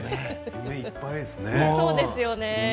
胸いっぱいですよね。